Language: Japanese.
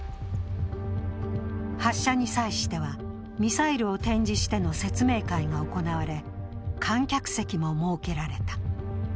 発射に際しては、ミサイルを展示しての説明会が行われ、観客席も設けられた。